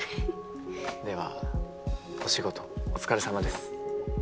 ではお仕事お疲れさまです。